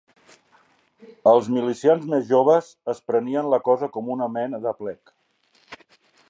Els milicians més joves, es prenien la cosa com una mena d'aplec